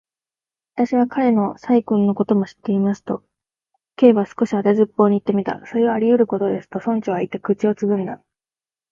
「私は彼の細君のことも知っています」と、Ｋ は少し当てずっぽうにいってみた。「それはありうることです」と、村長はいって、口をつぐんだ。